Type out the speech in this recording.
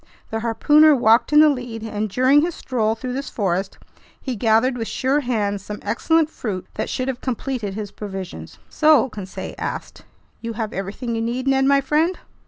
The harpooner walked in the lead, and during his stroll through this forest, he gathered with sure hands some excellent fruit that should have completed his provisions. "So," Conseil asked, "you have everything you need, Ned my friend?"